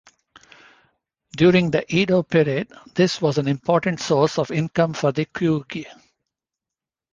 During the Edo period, this was an important source of income for the "kuge".